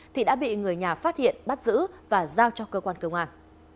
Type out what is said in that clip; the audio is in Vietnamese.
thì đã bị người nhà phát hiện bắt giữ và giao cho cơ quan công an